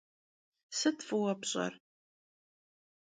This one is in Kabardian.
Sıt vue pş'er?